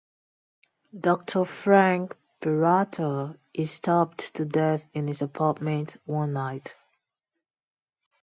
Doctor Frank Peralta is stabbed to death in his apartment one night.